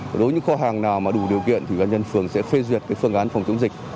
đối với những kho hàng nào mà đủ điều kiện thì bà nhân phường sẽ phê duyệt cái phương án phòng chống dịch